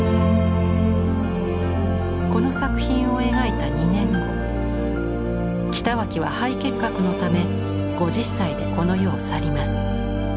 この作品を描いた２年後北脇は肺結核のため５０歳でこの世を去ります。